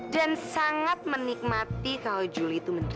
dan sangat menikmati kalau juli itu menderita